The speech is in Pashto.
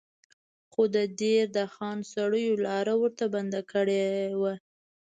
خو د دیر د خان سړیو لاره ورته بنده کړې وه.